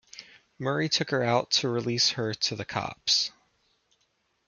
Murray took her out to release her to the cops.